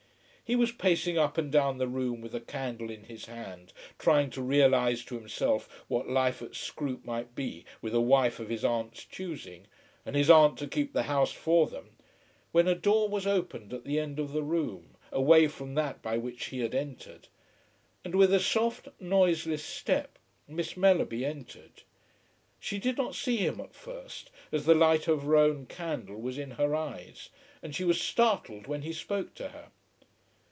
He was pacing up and down the room with a candle in his hand, trying to realize to himself what life at Scroope might be with a wife of his aunt's choosing, and his aunt to keep the house for them, when a door was opened at the end of the room, away from that by which he had entered, and with a soft noiseless step Miss Mellerby entered. She did not see him at first, as the light of her own candle was in her eyes, and she was startled when he spoke to her.